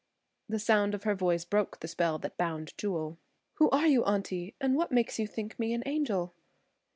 The sound of her voice broke the spell that bound Jewel. "Who are you, Auntie, and what makes you think me an angel?"